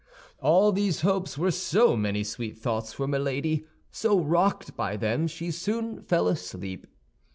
All these hopes were so many sweet thoughts for Milady; so, rocked by them, she soon fell asleep.